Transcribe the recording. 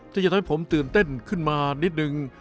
ที่จะทำให้ผมตื่นเต้นขึ้นมานิดนึง